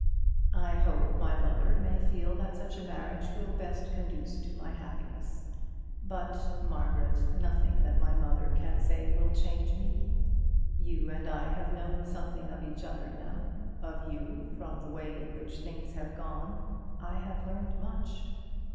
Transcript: "I hope my mother may feel that such a marriage will best conduce to my happiness; but, Margaret, nothing that my mother can say will change me. You and I have known something of each other now. Of you, from the way in which things have gone, I have learned much.